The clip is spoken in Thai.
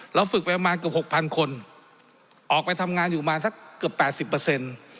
เราฝึกไปประมาณกับ๖๐๐๐คนออกไปทำงานอยู่มาสักเกือบ๘๐